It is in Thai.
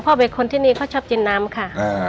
เพราะวัยคนที่นี่เขาชอบจิ้นน้ำ